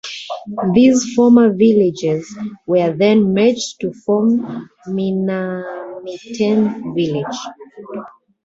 These former villages were then merged to form Minamitane Village.